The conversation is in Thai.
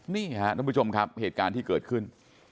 นี่ครับท่านผู้ชมครับเหตุการณ์ที่เกิดขึ้น